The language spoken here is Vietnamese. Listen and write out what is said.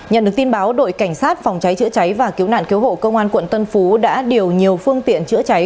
nhận được tin báo đội cảnh sát phòng cháy chữa cháy và cứu nạn cứu hộ công an quận tân phú đã điều nhiều phương tiện chữa cháy